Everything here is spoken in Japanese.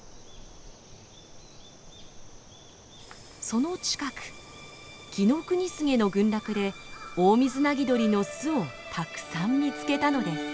その近くキノクニスゲの群落でオオミズナギドリの巣をたくさん見つけたのです。